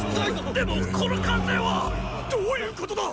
・でもこの喚声は⁉・どういうことだ